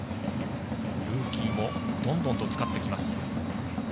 ルーキーもどんどんと使ってきます。